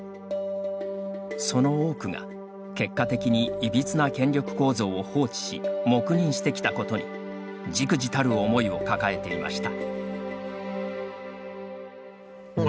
その多くが結果的にいびつな権力構造を放置し黙認してきたことにじくじたる思いを抱えていました。